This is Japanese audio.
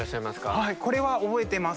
はいこれは覚えてます。